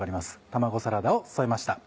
卵サラダを添えました。